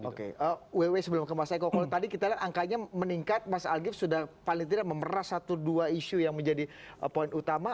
oke ww sebelum ke mas eko kalau tadi kita lihat angkanya meningkat mas algif sudah paling tidak memeras satu dua isu yang menjadi poin utama